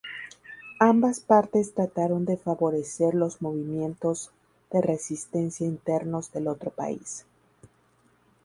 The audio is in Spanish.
Ambas partes trataron de favorecer los movimientos de resistencia internos del otro país.